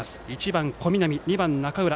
１番の小南、２番の中浦